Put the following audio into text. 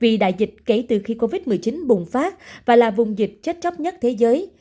vì đại dịch kể từ khi covid một mươi chín bùng phát và là vùng dịch chết chóc nhất thế giới